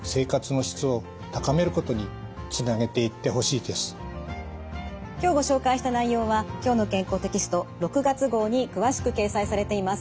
いたずらに不安になることなく今日ご紹介した内容は「きょうの健康」テキスト６月号に詳しく掲載されています。